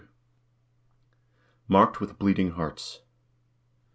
MARKED WITH BLEEDING HEARTS.